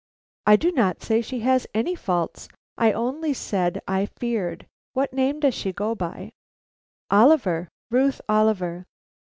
"I do not say she has any faults; I only said I feared. What name does she go by?" "Oliver; Ruth Oliver."